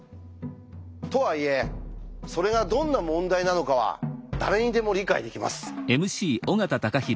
とはいえそれがどんな問題なのかは誰にでも理解できます。